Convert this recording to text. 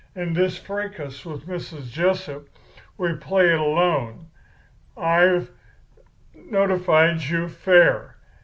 In this fracas with Mrs. Jessup we play it alone. I've notified you fair.